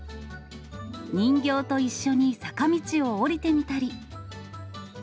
人形と一緒に坂道を下りてみたり。